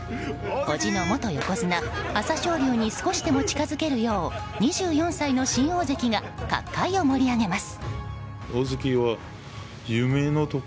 おじの元横綱・朝青龍に少しでも近づけるよう２４歳の新大関が角界を盛り上げます。